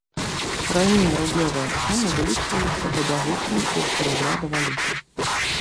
Раней рублёвыя цэны вылічваліся па бягучым курсе рубля да валюты.